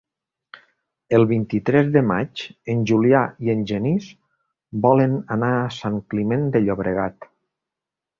El vint-i-tres de maig en Julià i en Genís volen anar a Sant Climent de Llobregat.